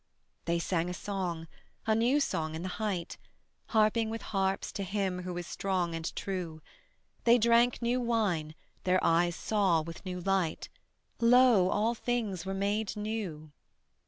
They sang a song, a new song in the height, Harping with harps to Him Who is Strong and True: They drank new wine, their eyes saw with new light, Lo, all things were made new.